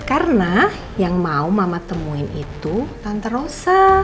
karena yang mau mama temuin itu tante rosa